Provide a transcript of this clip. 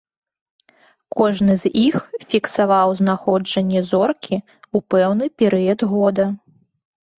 Кожны з іх фіксаваў знаходжанне зоркі ў пэўны перыяд года.